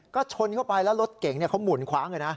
ก็ชนเข้าไปแล้วรถเก่งเขาหมุนคว้างเลยนะ